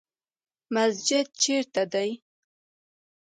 مسجد چیرته دی؟